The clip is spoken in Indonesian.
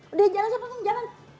udah jangan siapa ngomong jangan